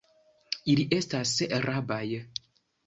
Ili estas rabaj.